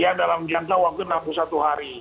ya dalam jangka waktu enam puluh satu hari